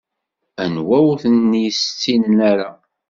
Anwa ur ten-yessinen ara?